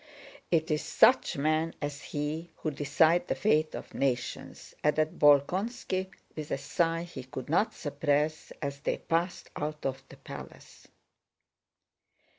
It is such men as he who decide the fate of nations," added Bolkónski with a sigh he could not suppress, as they passed out of the palace.